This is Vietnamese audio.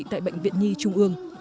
tại bệnh viện nhi trung ương